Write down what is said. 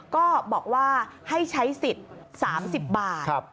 ก็บอกว่าให้ใช้สิทธิ์๓๐บาท